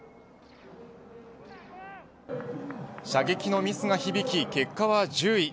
射撃のミスが響き結果は１０位。